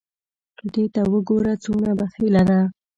دې ته وګوره څونه بخیله ده !